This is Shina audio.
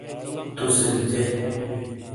توسے لکھے